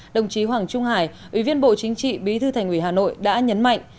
đồng chí hoàng trung hải ủy viên bộ chính trị bí thư thành ủy hà nội đã nhấn mạnh